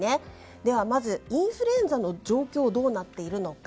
では、まずインフルエンザの状況はどうなっているのか。